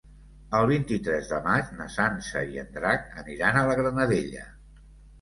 El vint-i-tres de maig na Sança i en Drac aniran a la Granadella.